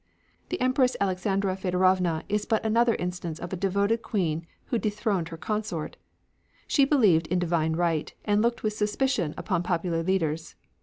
The Empress Alexandra Feodorovna is but another instance of a devoted queen who dethroned her consort. She believed in Divine Right and looked with suspicion upon popular leaders.